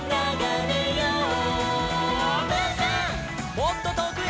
「もっととおくへ」